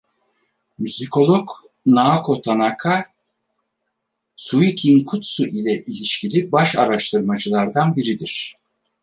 Müzikolog Naoko Tanaka, “suikinkutsu” ile ilişkili baş araştırmacılardan biridir.